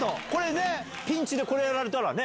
ピンチでこれやられたらね。